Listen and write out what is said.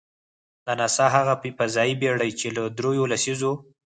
د ناسا هغه فضايي بېړۍ، چې له درېیو لسیزو .